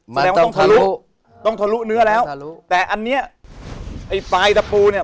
แสดงว่าต้องทะลุต้องทะลุเนื้อแล้วทะลุแต่อันเนี้ยไอ้ปลายตะปูเนี่ย